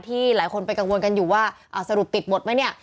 หลายคนไปกังวลกันอยู่ว่าสรุปติดหมดไหมเนี่ย